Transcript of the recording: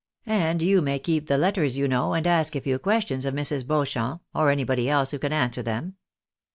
And you may keep the letters, you know, and ask a few questions of Mrs. Beauchamp, or anybody else who can answer them."